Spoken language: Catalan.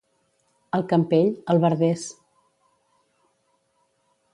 Al Campell, albarders.